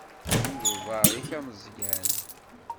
Ddu d uḍaṛ-ik a Meẓyan.